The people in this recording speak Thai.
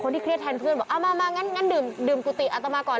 ที่เครียดแทนเพื่อนบอกเอามามางั้นดื่มกุฏิอัตมาก่อน